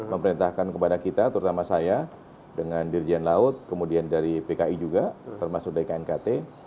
memerintahkan kepada kita terutama saya dengan dirjen laut kemudian dari pki juga termasuk dari knkt